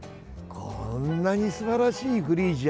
こんなにすばらしいフリージア。